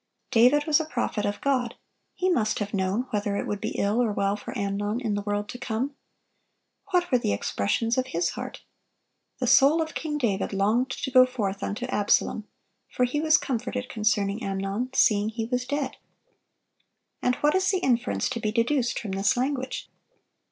David was a prophet of God; he must have known whether it would be ill or well for Amnon in the world to come. What were the expressions of his heart? 'The soul of King David longed to go forth unto Absalom: for he was comforted concerning Amnon, seeing he was dead.' "And what is the inference to be deduced from this language?